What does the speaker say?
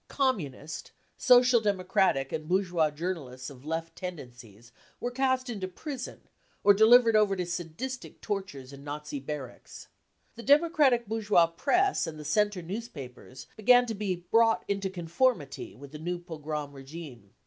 Communist, Social Democratic and bourgeois journalists of Left tendencies were cast into prison or delivered over to sadistic tortures in Nazi barracks. The democratic bour geois press and the Centre newspapers began to be THE CAMPAIGN AGAINST CULTURE igi fiC brought into conformity 55 with the new pogrom regime.